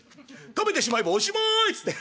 食べてしまえばおしまいっつって。